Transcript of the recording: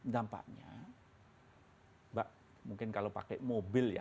dampaknya mbak mungkin kalau pakai mobil ya